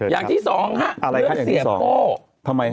อย่างที่สองครับเรื่องเสียโป้ทำไมครับ